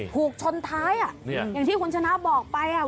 ถูกชนท้ายอ่ะอย่างที่คุณชนะบอกไปอ่ะ